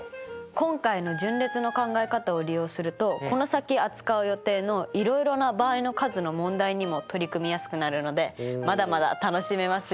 今回の順列の考え方を利用するとこの先扱う予定のいろいろな場合の数の問題にも取り組みやすくなるのでまだまだ楽しめますよ。